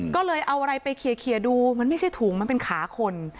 ก็เลยเอาอะไรไปเคลียร์ดูมันไม่ใช่ถุงมันเป็นขาคน